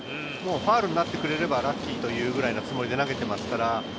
ファウルになってくれればラッキーというくらいのつもりで投げていますから。